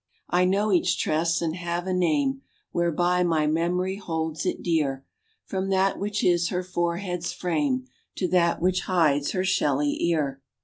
I know each tress, and have a name Whereby my memory holds it dear, From that which is her forehead's frame To that which hides her shelly ear.